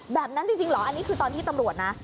แบบนั้นจริงเหรออันนี้คือตอนที่ตำรวจนะ